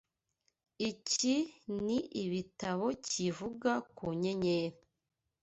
Iki ni ibitabo kivuga ku nyenyeri.